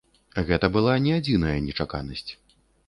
Гэта была не адзіная нечаканасць.